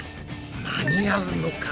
間に合うのか？